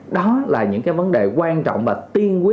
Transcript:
đó là những cái vấn đề quan trọng và tiên quyết